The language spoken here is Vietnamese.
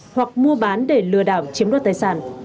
hoặc mua bán để lừa đảo chiếm đoạt tài sản